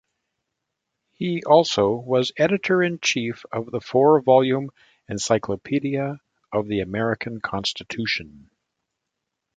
He also was editor-in-chief of the four-volume "Encyclopaedia of The American Constitution".